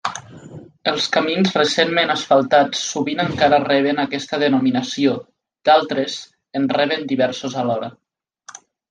Els camins recentment asfaltats sovint encara reben aquesta denominació; d'altres, en reben diversos alhora.